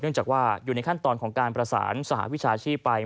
จากว่าอยู่ในขั้นตอนของการประสานสหวิชาชีพไป